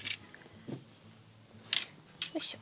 よいしょ。